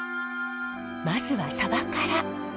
まずはサバから。